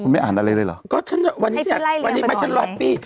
ผมไม่อ่านอะไรเลยเหรอ